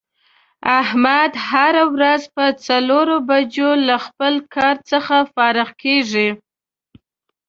احمد هره روځ په څلور بجو له خپل کار څخه فارغ کېږي.